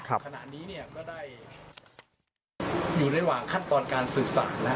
ขณะนี้ก็ได้อยู่ระหว่างคัดตอนการสื่อสารนะ